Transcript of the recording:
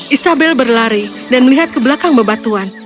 isabel berlari dan melihat ke belakang bebatuan